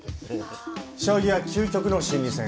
将棋は究極の心理戦。